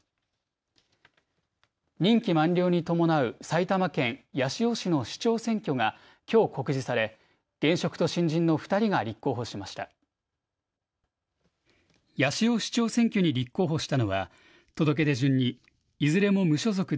任期満了に伴う埼玉県八潮市の市長選挙がきょう告示され現職と新人の２人が立候補しました。